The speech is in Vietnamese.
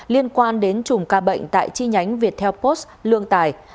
liên quan đến chùm ca bệnh tại chi nhánh viettel post lương tài